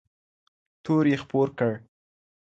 تور یې خپور کړ